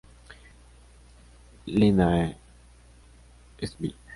Linnaea, xviii.